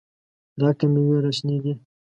د عقل مېوې راشنېدې.